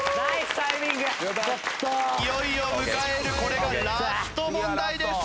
いよいよ迎えるこれがラスト問題です。